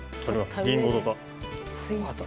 リンゴとか。